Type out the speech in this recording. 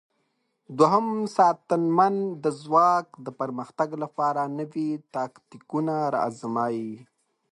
دوهم ساتنمن د ځواک د پرمختګ لپاره نوي تاکتیکونه آزمايي.